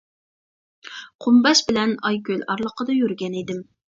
قۇمباش بىلەن ئايكۆل ئارىلىقىدا يۈرگەن ئىدىم.